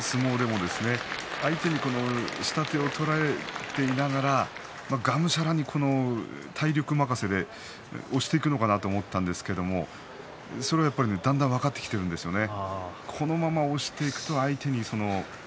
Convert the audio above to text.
今の相撲でも相手に下手を取られていながらがむしゃらに体力任せで押していくのかなと思ったんですけどそれがだんだん分かってきているんですよね。